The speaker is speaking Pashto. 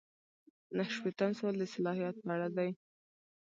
نهه شپیتم سوال د صلاحیت په اړه دی.